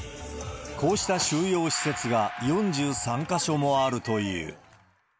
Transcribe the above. こうした収容施設が４３か所もあるという。